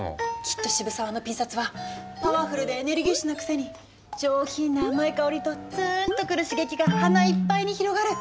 きっと渋沢のピン札はパワフルでエネルギッシュなくせに上品な甘い香りとつーんとくる刺激が鼻いっぱいに広がる。